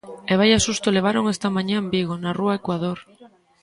E vaia susto levaron esta mañá en Vigo, na rúa Ecuador.